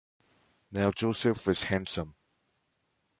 Now Joseph was handsome.